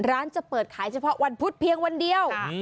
จะเปิดขายเฉพาะวันพุธเพียงวันเดียว